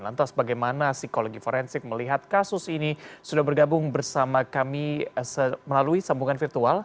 lantas bagaimana psikologi forensik melihat kasus ini sudah bergabung bersama kami melalui sambungan virtual